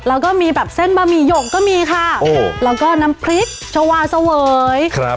แล้วก็มีแบบเส้นบะหมี่หยกก็มีค่ะโอ้โหแล้วก็น้ำพริกชาวาเสวยครับ